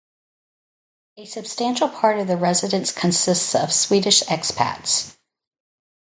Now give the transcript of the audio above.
A substantial part of the residents consists of Swedish expats.